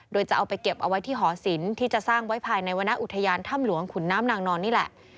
โดยจะเอาไปเก็บเอาไว้ที่หอศิลป์ที่จะสร้างไว้ภายในวรรณอุทยานถ้ำหลวงขุนน้ำนางนอนนี่แหละ